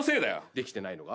できてないのが？